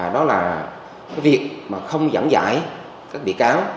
đó là cái việc mà không giảng dạy các bị cáo